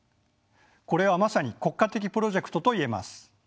これはまさに国家的プロジェクトと言えます。